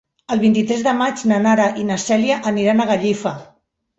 El vint-i-tres de maig na Nara i na Cèlia aniran a Gallifa.